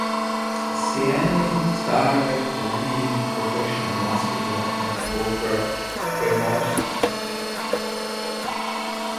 Ciani started playing professional basketball for Koper Primorska.